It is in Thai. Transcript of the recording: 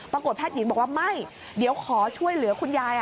แพทย์หญิงบอกว่าไม่เดี๋ยวขอช่วยเหลือคุณยาย